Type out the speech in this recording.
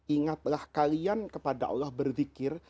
ingatlah kalian kepada allah berzikir